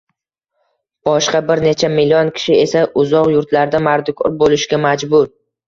Boshqa bir necha million kishi esa uzoq yurtlarda mardikor bo‘lishga majbur.